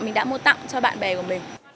mình đã mua tặng cho bạn bè của mình